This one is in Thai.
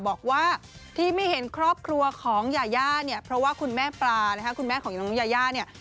บอกว่าที่ไม่เห็นครอบครัวของยาย่าเนี่ยเพราะว่าคุณแม่ปลานะคะคุณแม่ของน้องยาย่าเนี่ย